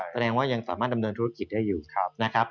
แสดงว่ายังสามารถดำเนินธุรกิจได้อยู่นะครับ